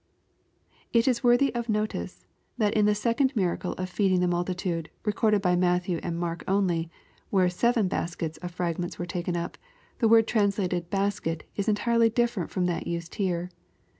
It is worthy of notice, that in the second miracle of feeding the multitude, recorded by Matthew and Mark only, where seven baskets of fragments were taken up, the word translated "basket," is entirely different from that used here.